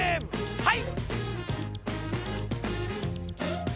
はい！